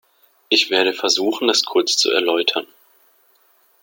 Ich werde versuchen, das kurz zu erläutern.